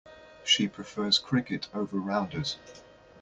She prefers cricket over rounders.